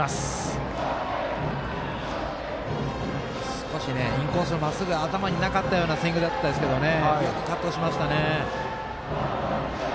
少しインコースのまっすぐ頭になかったボールでしたけどよくカットしましたね。